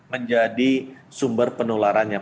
menjadi sumber penularan yang